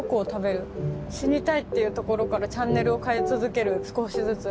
死にたいっていうところからチャンネルを変え続ける少しずつ」。